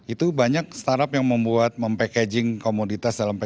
itu banyak startup yang membuat mem packaging komoditas dalam packing